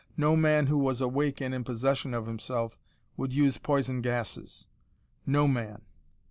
No man who was awake and in possession of himself would use poison gases: no man.